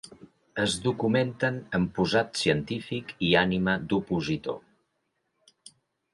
Es documenten amb posat científic i ànima d'opositor.